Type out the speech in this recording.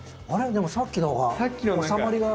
でもさっきのほうが収まりが。